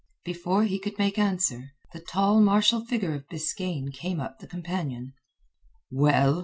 Before he could make answer, the tall martial figure of Biskaine came up the companion. "Well?"